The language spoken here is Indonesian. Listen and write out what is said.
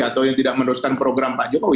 atau yang tidak meneruskan program pak jokowi